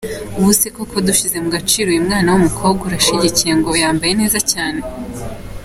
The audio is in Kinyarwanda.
Ubuse koko dushyize mugaciro uyu mwana w’ umukobwa urashyigikiye ngo " yambaye neza cyane" ?.